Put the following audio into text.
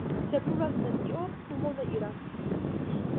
Se brulas nenio, fumo ne iras.